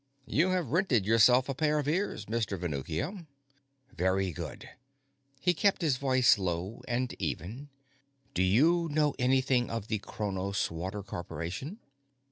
"You have rented yourself a pair of ears, Mr. Venuccio." "Very good." He kept his voice low and even. "Do you know anything of the Cronos Water Corporation?"